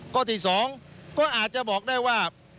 ข้อที่๒ก็อาจจะบอกได้ว่า